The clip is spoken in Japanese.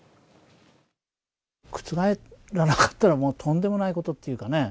覆らなかったらもうとんでもないことっていうかね。